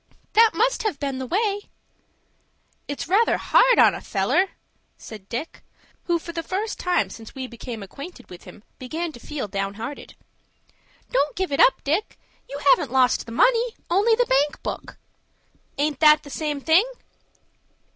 "That must have been the way." "It's rather hard on a feller," said Dick, who, for the first time since we became acquainted with him, began to feel down hearted. "Don't give it up, Dick. You haven't lost the money, only the bank book." "Aint that the same thing?"